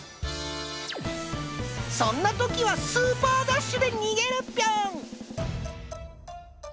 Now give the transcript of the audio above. そんな時はスーパーダッシュで逃げるピョン！